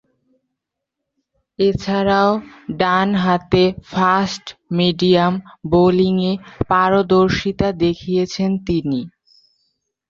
এছাড়াও, ডানহাতে ফাস্ট-মিডিয়াম বোলিংয়ে পারদর্শীতা দেখিয়েছেন তিনি।